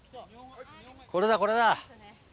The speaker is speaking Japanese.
これだ、これだ。